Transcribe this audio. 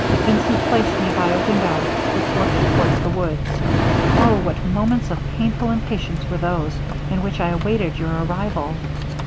Vincent placed me by a window, which looked towards the woods. Oh! what moments of painful impatience were those in which I awaited your arrival!